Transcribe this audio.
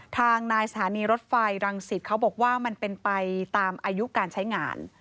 ทางนายสถานีรถไฟรังสิตเขาบอกว่ามันเป็นไปตามอายุการใช้งาน